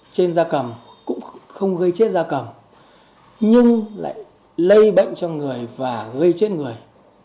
trên da cầm cũng không gây chết da cầm nhưng lại lây bệnh trong người và gây chết người